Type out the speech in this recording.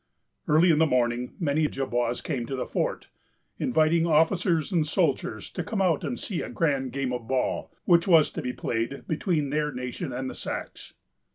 Early in the morning, many Ojibwas came to the fort, inviting officers and soldiers to come out and see a grand game of ball, which was to be played between their nation and the Sacs.